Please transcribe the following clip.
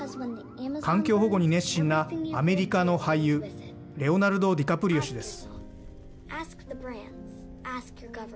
環境保護に熱心なアメリカの俳優レオナルド・ディカプリオ氏です。